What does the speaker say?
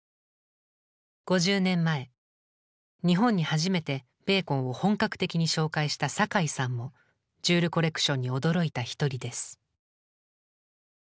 ５０年前日本に初めてベーコンを本格的に紹介した酒井さんもジュール・コレクションに驚いた一人です。